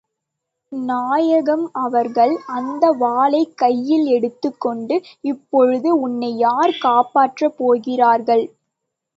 நாயகம் அவர்கள் அந்த வாளைக் கையில் எடுத்து கொண்டு, இப்பொழுது உன்னை யார் காப்பாற்றப் போகிறார்கள்?